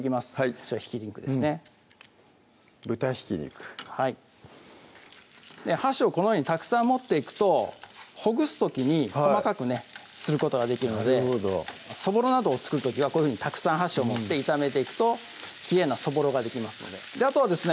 こちらひき肉ですね豚ひき肉はい箸をこのようにたくさん持っていくとほぐす時に細かくねすることができるのでそぼろなどを作る時はこういうふうにたくさん箸を持って炒めていくときれいなそぼろができますのであとはですね